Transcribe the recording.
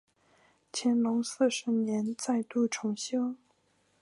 乾隆四十年再度重修。